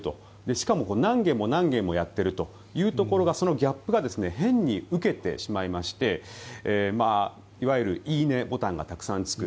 しかも何件も何件もやっているというところがそのギャップが変に受けてしまいましていわゆる「いいね」ボタンがたくさんつく。